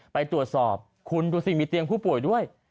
ไปตรวจสอบคุณดูสิมีเตียงผู้ป่วยด้วย